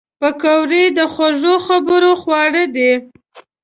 پکورې د خوږو خبرو خواړه دي